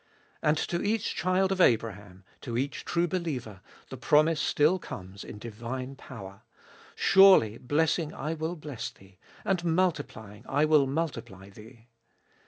And to each child of Abraham, to each true believer, the promise still comes in divine power: Surely blessing I will bless thee, and multiplying I will multiply thee.